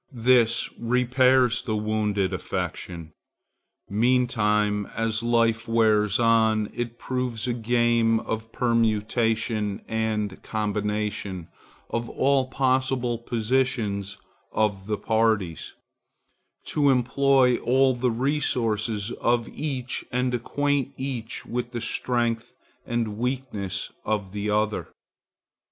This repairs the wounded affection. Meantime, as life wears on, it proves a game of permutation and combination of all possible positions of the parties, to employ all the resources of each and acquaint each with the strength and weakness of the other.